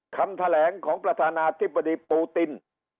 คำแถลงของประธานาธิบดีปูติน